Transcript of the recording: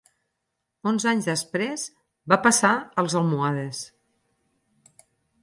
Onze anys després va passar als almohades.